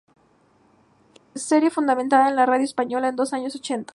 Serie fundamentada en la radio española de los años ochenta.